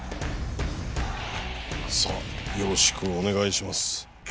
さあよろしくお願いします。